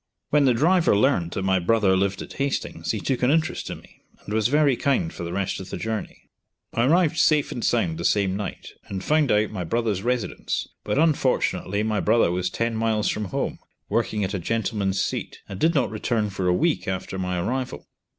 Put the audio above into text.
When the driver learnt that my brother lived at Hastings he took an interest in me, and was very kind for the rest of the journey. I arrived safe and sound the same night, and found out my brother's residence, but, unfortunately, my brother was ten miles from home, working at a gentleman's seat, and did not return for a week after my arrival.